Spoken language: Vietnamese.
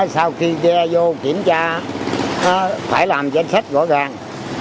sau khi ghe vô kiểm tra phải làm danh sách rõ ràng